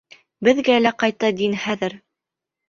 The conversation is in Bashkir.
Беҙгә лә ҡайта дин хәҙер.